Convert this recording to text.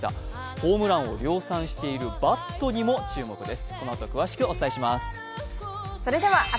ホームランを量産しているバットにも注目です。